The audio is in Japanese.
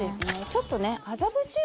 ちょっとね